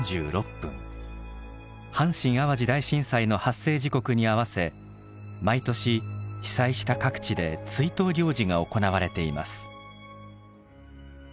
阪神・淡路大震災の発生時刻に合わせ毎年被災した各地で追悼行事が行われています。